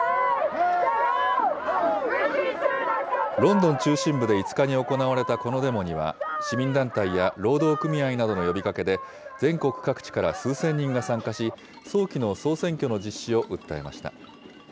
ロンドン中心部で５日に行われたこのデモには、市民団体や労働組合などの呼びかけで、全国各地から数千人が参加し、早期の総選挙の実施を訴えました。